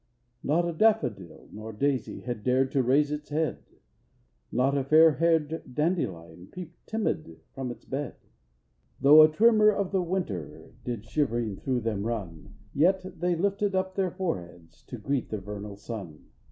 Not a daffodil nor daisy Had dared to raise its head; Not a fairhaired dandelion Peeped timid from its bed; THE CROCUSES. 5 Though a tremor of the winter Did shivering through them run; Yet they lifted up their foreheads To greet the vernal sun.